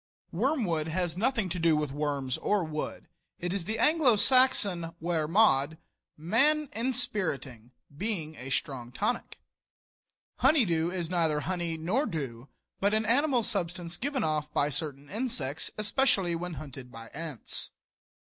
Wormwood has nothing to do with worms or wood; it is the Anglo Saxon "wer mod," man inspiriting, being a strong tonic. Honeydew is neither honey nor dew, but an animal substance given off by certain insects, especially when hunted by ants.